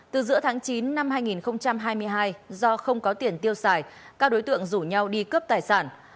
từ giữa tháng chín năm hai nghìn hai mươi hai do không có tiền tiêu xài các đối tượng rủ nhau đi cướp tài sản